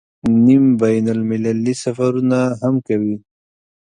نیم بین المللي سفرونه هم کوي.